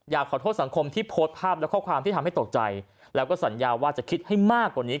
ขอโทษสังคมที่โพสต์ภาพและข้อความที่ทำให้ตกใจแล้วก็สัญญาว่าจะคิดให้มากกว่านี้